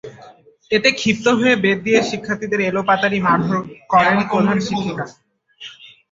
এতে ক্ষিপ্ত হয়ে বেত দিয়ে শিক্ষার্থীদের এলোপাতাড়ি মারধর করেন প্রধান শিক্ষিকা।